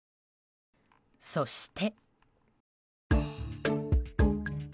そして。